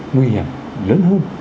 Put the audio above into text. nguy hiểm lớn hơn